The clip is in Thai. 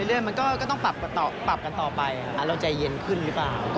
เรื่องมันก็ต้องปรับกันต่อไปเราใจเย็นขึ้นหรือเปล่า